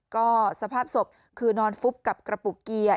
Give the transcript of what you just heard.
ก็สภาพศพคือนอนฟุบกับกระปุกเกียร์